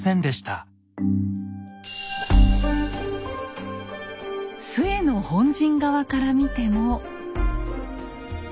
陶の本陣側から見ても。